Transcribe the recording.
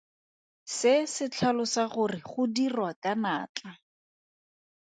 Se se tlhalosa gore go dirwa ka natla.